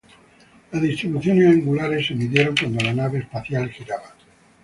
Las distribuciones angulares se midieron cuando la nave espacial giraba.